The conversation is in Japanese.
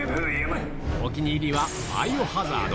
お気に入りは、バイオハザード。